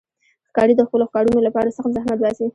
ښکاري د خپلو ښکارونو لپاره سخت زحمت باسي.